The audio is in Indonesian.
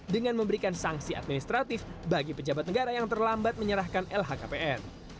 dengan memberikan sanksi administratif bagi pejabat negara yang terlambat menyerahkan lhkpn